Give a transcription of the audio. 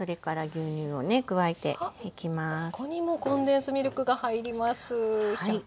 ここにもコンデンスミルクが入ります。